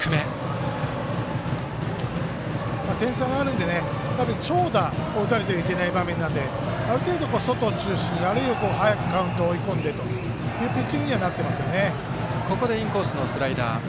点差はあるんでね、やはり長打を打たれてはいけない場面なのである程度、外中心にあるいは早くカウントを追い込んでというピッチングにはなっていますよね。